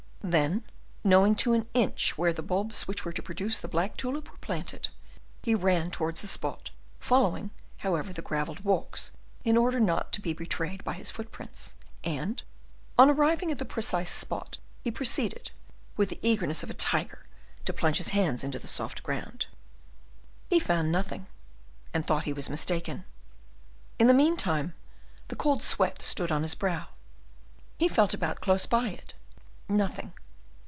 Then, knowing to an inch where the bulbs which were to produce the black tulip were planted, he ran towards the spot, following, however, the gravelled walks in order not to be betrayed by his footprints, and, on arriving at the precise spot, he proceeded, with the eagerness of a tiger, to plunge his hand into the soft ground. He found nothing, and thought he was mistaken. In the meanwhile, the cold sweat stood on his brow. He felt about close by it, nothing.